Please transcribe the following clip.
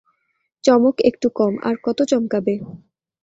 চমক একটু কম, আর কতো চমকাবে?